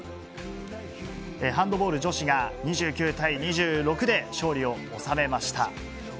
ハンドボール女子が２９対２６で勝利を収めました。